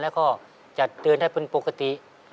แล้วก็จัดเตือนให้เป็นปกติ